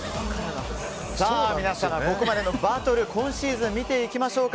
皆さん、ここまでのバトル今シーズン見ていきましょう。